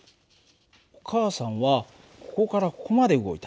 お母さんはここからここまで動いた。